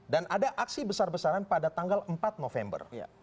dan ada aksi besar besaran pada tanggal empat oktober